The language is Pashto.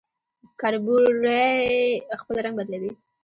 کربوړی خپل رنګ بدلوي